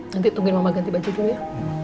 nanti tungguin mama ganti baju dulu ya